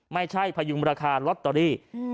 ไม่ใช่พยุมราคาร็อตเตอรี่